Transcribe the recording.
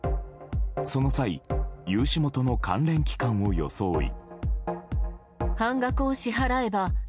その際融資元の関連機関を装い。